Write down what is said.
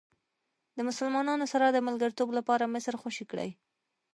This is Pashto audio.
د مسلمانانو سره د ملګرتوب لپاره مصر خوشې کړئ.